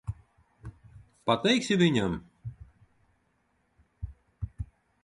Pateiksi viņam?